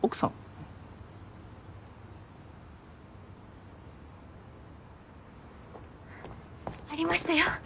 はぁありましたよ。